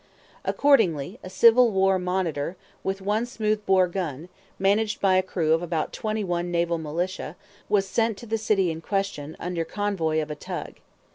Accordingly a Civil War Monitor, with one smooth bore gun, managed by a crew of about twenty one naval militia, was sent to the city in question, under convoy of a tug.